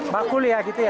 bakul ya gitu ya